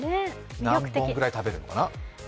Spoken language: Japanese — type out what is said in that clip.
何本ぐらい食べるのかな？